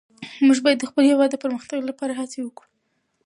موږ باید د خپل هېواد د پرمختګ لپاره هڅې وکړو.